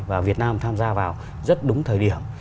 và việt nam tham gia vào rất đúng thời điểm